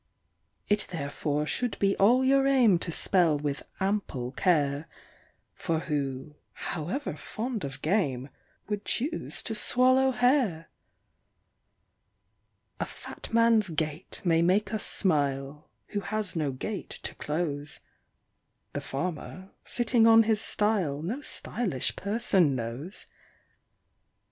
It therefore should be all your aim to spell with ample care; For who, however fond of game, would choose to swallow hair? A fat man's gait may make us smile, who has no gate to close; The farmer, sitting on his stile no _sty_lish person knows.